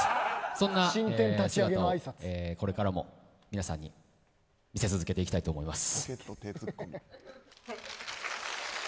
そんな姿をこれからも皆さんに見せ続けていきたいと思います。